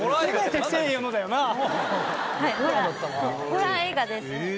ホラー映画です。